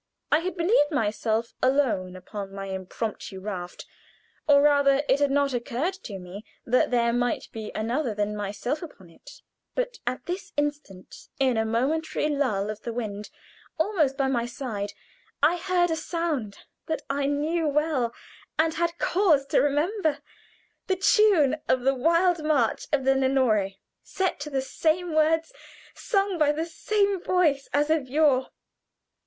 I had believed myself alone upon my impromptu raft or rather, it had not occurred to me that there might be another than myself upon it; but at this instant, in a momentary lull of the wind, almost by my side I heard a sound that I knew well, and had cause to remember the tune of the wild march from "Lenore," set to the same words, sung by the same voice as of yore.